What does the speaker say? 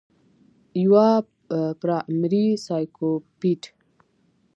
يوه پرائمري سايکوپېت